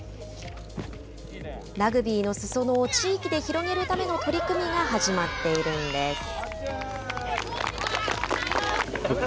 ラグビーのすそ野を地域で広げるための取り組みが始まっているんです。